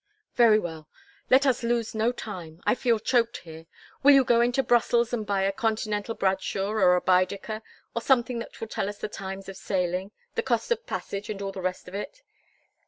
"Very well. Let us lose no time. I feel choked here. Will you go into Brussels and buy a Continental Bradshaw or a Baedeker, or something that will tell us the times of sailing, the cost of passage, and all the rest of it?